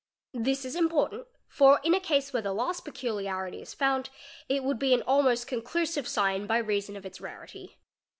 This is mportant, for in a case where the last peculiarity is found, it would be n almost conclusive sign by reason of its rarity.